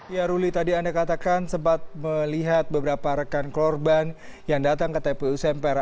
ya ruli tadi anda katakan sempat melihat beberapa rekan korban yang datang ke tpu sempera